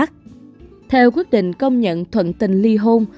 theo quyết định công nhận thuận tình ly hôn